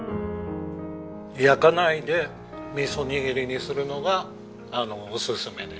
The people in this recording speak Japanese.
焼かないで味噌にぎりにするのがおすすめです。